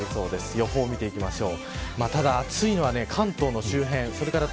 予報を見ていきましょう。